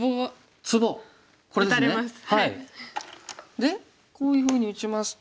でこういうふうに打ちますと。